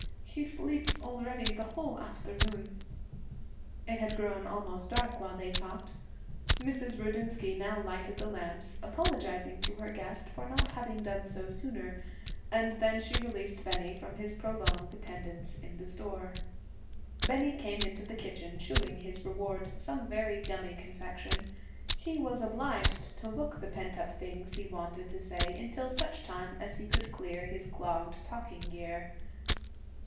'He sleeps already the whole afternoon.' It had grown almost dark while they talked. Mrs. Rudinsky now lighted the lamps, apologizing to her guest for not having done so sooner, and then she released Bennie from his prolonged attendance in the store. Bennie came into the kitchen chewing his reward, some very gummy confection. He was obliged to look the pent up things he wanted to say, until such time as he could clear his clogged talking gear.